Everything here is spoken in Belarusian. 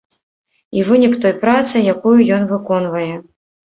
І вынік той працы, якую ён выконвае.